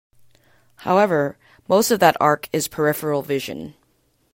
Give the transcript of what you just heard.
However, most of that arc is peripheral vision.